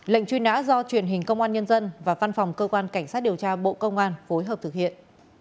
lệnh truy nã do truyền hình công an nhân dân và văn phòng cơ quan cảnh sát điều tra bộ công an phối hợp thực hiện